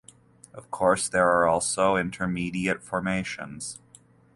Of course there are also intermediate formations.